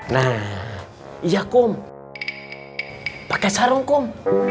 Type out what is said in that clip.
nah iya kum pakai sarung kum